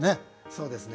そうですね。